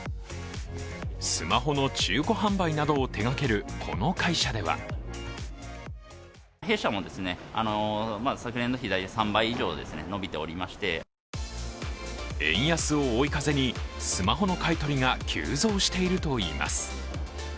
スマホの中古販売などを手がけるこの会社では円安を追い風にスマホの買い取りが急増しているといいます。